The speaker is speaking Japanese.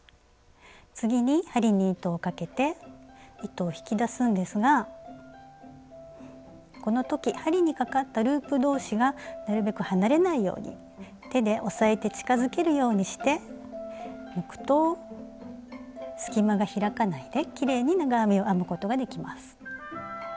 次に針に糸をかけて糸を引き出すんですがこの時針にかかったループ同士がなるべく離れないように手で押さえて近づけるようにして抜くと隙間が開かないできれいに長編みを編むことができます。